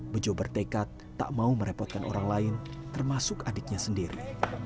bejo bertekad tak mau merepotkan orang lain termasuk adiknya sendiri